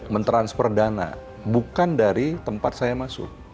men transfer dana bukan dari tempat saya masuk